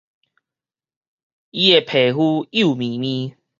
伊的皮膚幼麵麵